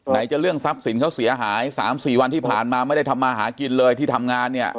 จะเรื่องทรัพย์สินเขาเสียหาย๓๔วันที่ผ่านมาไม่ได้ทำมาหากินเลยที่ทำงานเนี่ย